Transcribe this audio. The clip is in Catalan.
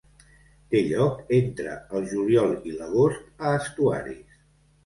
Té lloc entre el juliol i l'agost a estuaris.